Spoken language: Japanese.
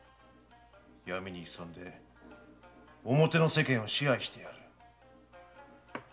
闇に潜んで表の世間を支配してやる。